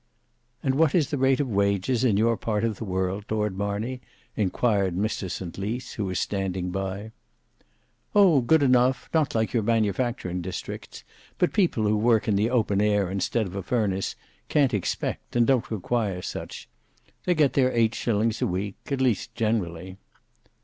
"And what is the rate of wages, in your part of the world, Lord Marney?" inquired Mr St Lys who was standing by. "Oh! good enough: not like your manufacturing districts; but people who work in the open air, instead of a furnace, can't expect, and don't require such. They get their eight shillings a week; at least generally."